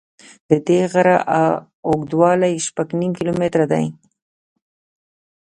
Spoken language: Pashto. د دې غره اوږدوالی شپږ نیم کیلومتره دی.